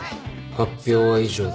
発表は以上だ。